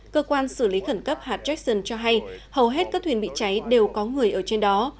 cơ quan xử lý khẩn cấp hạt jackson cho hay hầu hết các thuyền bị cháy đều có người ở trên đó